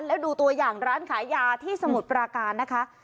แล้วดูตัวอย่างร้านขายยาที่สมุทรปราการนะคะ